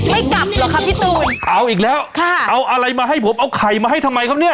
ไม่กลับหรอกครับพี่ตูนเอาอีกแล้วค่ะเอาอะไรมาให้ผมเอาไข่มาให้ทำไมครับเนี่ย